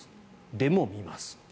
でも見ます。